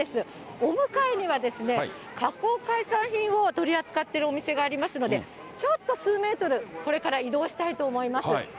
お向かいには加工海産品を取り扱っているお店がありますので、ちょっと数メートル、これから移動したいと思います。